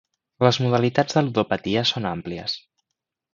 Les modalitats de ludopatia són àmplies.